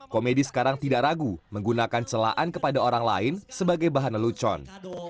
komedi sekarang tidak ragu menggunakan celaan kepada orang lain sebagai bahan lelucon